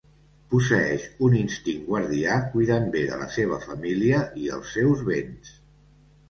Posseeix un instint guardià cuidant bé de la seva família i els seus béns.